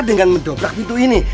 dengan mendobrak pintu ini